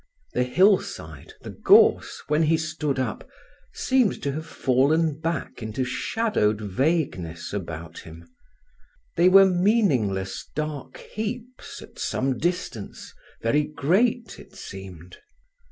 The hill side, the gorse, when he stood up, seemed to have fallen back into shadowed vagueness about him. They were meaningless dark heaps at some distance, very great, it seemed.